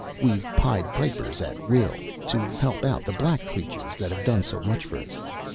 We've pied pipers at will, to help out the black creatures that've done so much for us.